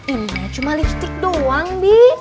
ini cuma lipstick doang bi